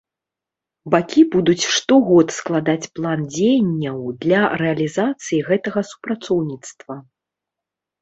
Бакі будуць штогод складаць план дзеянняў для рэалізацыі гэтага супрацоўніцтва.